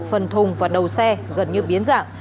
phần thùng và đầu xe gần như biến dạng